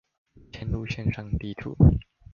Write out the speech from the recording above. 嵌入線上地圖